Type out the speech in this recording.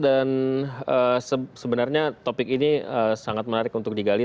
dan sebenarnya topik ini sangat menarik untuk digali